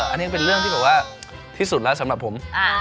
อันนี้เป็นเรื่องที่บอกว่าที่สุดแล้วสำหรับผม